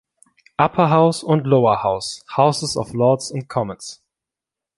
Upper House und Lower House Houses of Lords und Commons